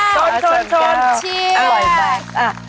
ชุดก้าวชุดชิบอร่อยมาก